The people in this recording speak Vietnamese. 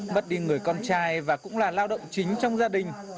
mất đi người con trai và cũng là lao động chính trong gia đình